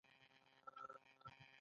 د هغه په غزل کښې